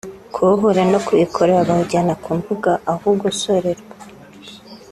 kuwuhura no kuwikorera bawujyana ku mbuga aho ugosorerwa